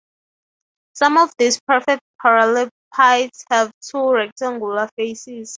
Some of these perfect parallelepipeds have two rectangular faces.